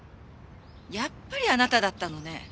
やっぱりあなただったのね。